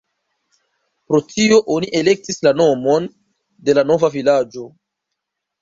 Pro tio oni elektis la nomon de la nova vilaĝo.